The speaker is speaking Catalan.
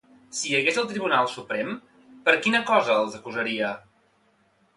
Si hi hagués el Tribunal Suprem, per quina cosa els acusaria?